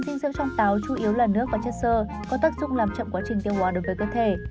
dinh dưỡng trong táo chủ yếu là nước và chất sơ có tác dụng làm chậm quá trình tiêu hóa đối với cơ thể